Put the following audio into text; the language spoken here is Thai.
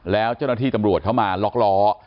แล้วเจ้าหน้าที่ตำรวจเข้ามาล็อกล้อ